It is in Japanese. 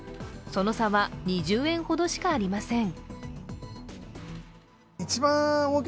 その差は２０円ほどしかありません。